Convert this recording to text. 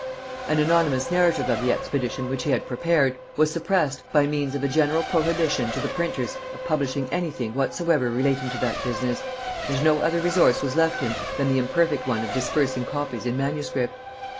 An anonymous narrative of the expedition which he had prepared, was suppressed by means of a general prohibition to the printers of publishing any thing whatsoever relating to that business; and no other resource was left him than the imperfect one of dispersing copies in manuscript.